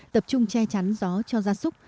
tập trung che chắn gió cho gia súc